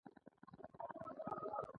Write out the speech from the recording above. د چټک رفتار څخه ډډه وکړئ، ځکه ژوند ارزښت لري.